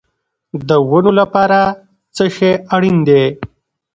د ونو لپاره څه شی اړین دی؟